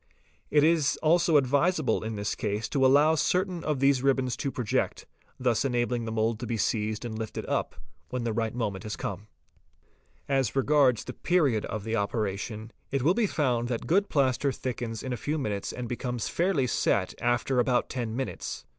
It is also advisable, in this case, to allow certain of these ribbons to project, thus enabling the mould "to be seized and lifted up, when the right moment has come. 548 FOOTPRINTS As regards the period of the operation, it will be found that good plaster thickens in a few minutes and becomes fairly set after about ten minutes.